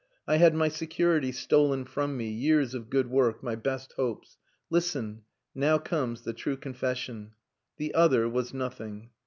I had my security stolen from me, years of good work, my best hopes. Listen now comes the true confession. The other was nothing.